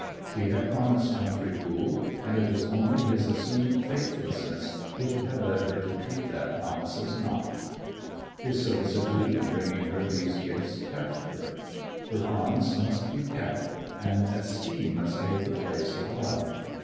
She had promised Humphrey Gould, and it was only his assumed faithlessness which had led her to treat that promise as nought. His solicitude in bringing her these gifts touched her; her promise must be kept, and esteem must take the place of love.